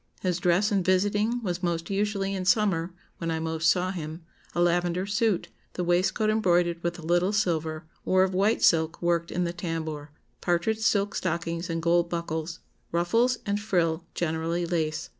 His dress in visiting was most usually, in summer, when I most saw him, a lavender suit, the waistcoat embroidered with a little silver, or of white silk worked in the tambour, partridge silk stockings, and gold buckles, ruffles and frill generally lace.